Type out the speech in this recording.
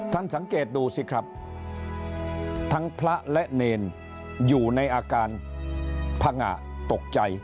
สังเกตดูสิครับทั้งพระและเนรอยู่ในอาการผงะตกใจ